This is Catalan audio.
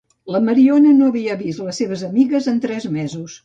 La Mariona no havia vist les seves amigues en tres mesos.